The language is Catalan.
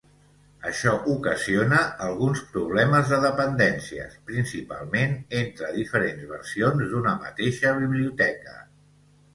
Això ocasiona alguns problemes de dependències, principalment entre diferents versions d'una mateixa biblioteca.